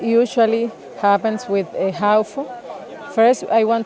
như thường xuyên xảy ra với hà nội